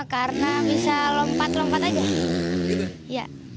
karena bisa lompat lompat aja